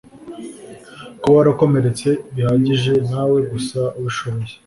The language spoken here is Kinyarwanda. kuba warakomeretse bihagije nawe gusa ubishoboye